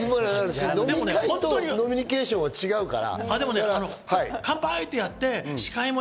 飲みニケーションは違うから。